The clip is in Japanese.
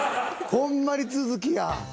ホンマに都築や。